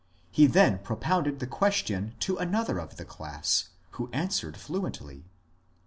He then propounded the ques tion to another of the class, who answered fluently.